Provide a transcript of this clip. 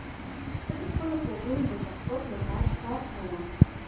زه د خپلو خوبونو د تحقق لپاره کار کوم.